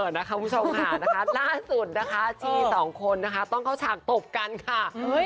นะคะสี่สองคนนะคะต้องเข้าฉากตบกันค่ะเฮ้ย